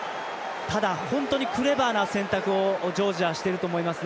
ただ、本当にクレバーな選択をジョージアはしていると思います。